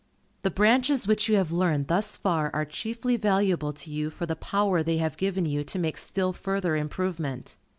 The branches which you have learned thus far are chiefly valuable to you for the power they have given you to make still further improvement.